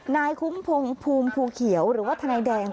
นายคุ้มพงศ์ภูมิภูเขียวหรือว่าทนายแดง